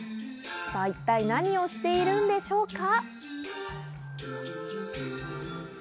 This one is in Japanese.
一体何をしているんでしょうか？